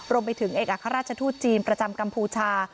รวมไปถึงเอกอัครราชทูตจีนประจำกัมพูชา